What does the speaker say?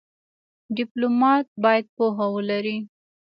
ډيپلومات باید پوهه ولري.